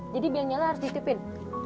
jadi biar nyala harus ditipin